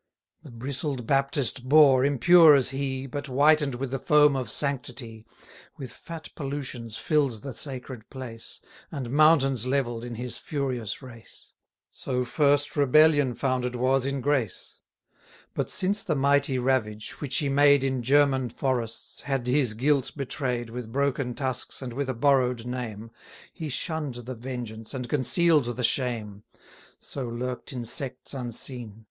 The bristled Baptist Boar, impure as he, But whiten'd with the foam of sanctity, With fat pollutions fill'd the sacred place, And mountains levell'd in his furious race; So first rebellion founded was in grace. But since the mighty ravage, which he made In German forests, had his guilt betray'd, With broken tusks, and with a borrow'd name; 50 He shunn'd the vengeance, and conceal'd the shame: So lurk'd in sects unseen.